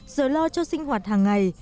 giờ lo cho sinh hoạt hàng ngày